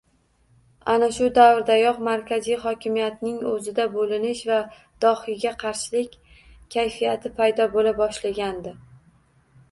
Ayni shu davrdayoq markaziy hokimiyatning oʻzida boʻlinish va dohiyga qarshilik kayfiyati paydo boʻla boshlagandi